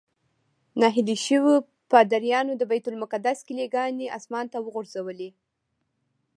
نهیلي شویو پادریانو د بیت المقدس کیلي ګانې اسمان ته وغورځولې.